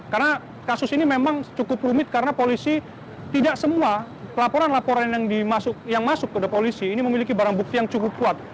karena kasus ini memang cukup rumit karena polisi tidak semua laporan laporan yang masuk ke polisi ini memiliki barang bukti yang cukup kuat